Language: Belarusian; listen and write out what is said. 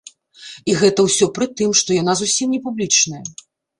І гэта ўсё пры тым, што яна зусім не публічная.